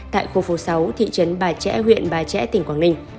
tại khu phố sáu thị trấn bà trẻ huyện ba trẻ tỉnh quảng ninh